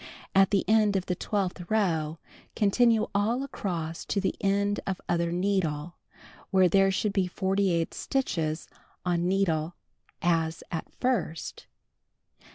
At the end of the twelfth row continue all across to the end of other needle, when there should be 48 stitches on needle as at first.